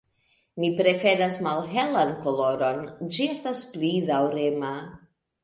Mi preferas malhelan koloron, ĝi estas pli daŭrema.